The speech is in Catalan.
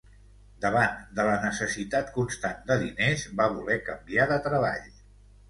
Davant de la necessitat constant de diners, va voler canviar de treball.